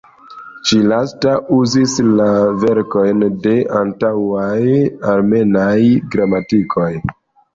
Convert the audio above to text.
Ĉi-lasta uzis la verkojn de antaŭaj armenaj gramatikoj.